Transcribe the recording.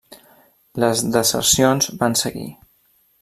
Les desercions van seguir.